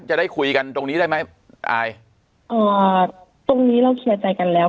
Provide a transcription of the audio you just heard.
จะได้คุยกันตรงนี้ได้ไหมอายเอ่อตรงนี้เราเคลียร์ใจกันแล้ว